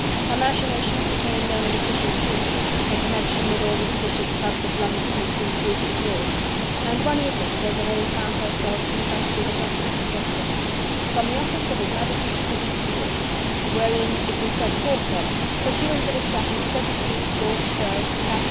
Her machinations became known in official quarters, her connection with all the seditious clubs of London was soon bruited abroad, and one evening Desiree found herself confronted with a document addressed to her: "From the Office of His Majesty's Privy Seal," wherein it was set forth that, pursuant to the statute 33 George III. cap.